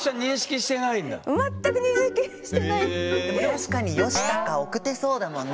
確かにヨシタカ奥手そうだもんね。